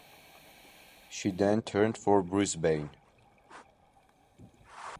She then turned for Brisbane.